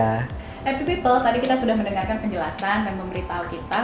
happy people tadi kita sudah mendengarkan penjelasan dan memberi tahu kita